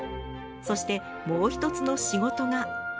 そしてもう一つの仕事が。